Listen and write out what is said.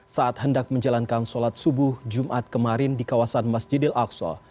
saat hendak menjalankan sholat subuh jumat kemarin di kawasan masjid al aqsa